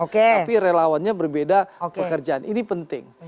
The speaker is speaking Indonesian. tapi relawannya berbeda pekerjaan ini penting